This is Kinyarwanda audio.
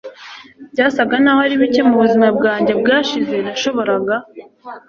byasaga naho ari bike mubuzima bwanjye bwashize nashoboraga